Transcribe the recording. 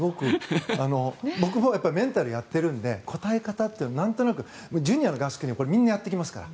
僕もメンタルやってるんで答え方っていうのをなんとなくジュニアの合宿ではみんなやっていきますから。